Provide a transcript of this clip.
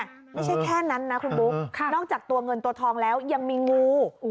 ไม่ใช่แค่นั้นนะคุณบุ๊คนอกจากตัวเงินตัวทองแล้วยังมีงู